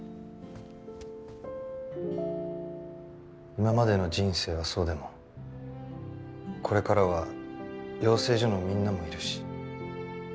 今までの人生はそうでもこれからは養成所のみんなもいるし。